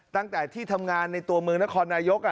ตั้งแต่ที่ทำงานในตัวเมืองนครนายก